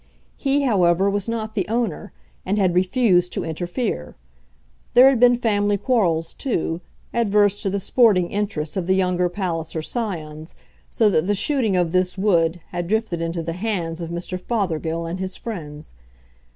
He, however, was not the owner, and had refused to interfere. There had been family quarrels too, adverse to the sporting interests of the younger Palliser scions, so that the shooting of this wood had drifted into the hands of Mr. Fothergill and his friends.